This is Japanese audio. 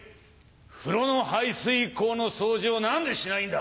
風呂の排水溝の掃除を何でしないんだ！